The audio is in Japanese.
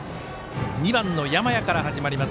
２番の山家から始まります